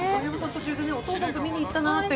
お父さんと見に行ったなって。